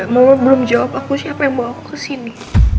mak belum jawab aku siapa yang bawa aku kesini